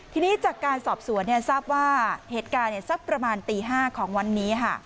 ทีนี้จากการสอบสวนทราบว่าเหตุการณ์สักประมาณตี๕ของวันนี้